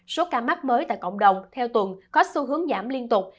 số ca mắc mới tại cộng đồng theo tuần có xu hướng giảm liên tục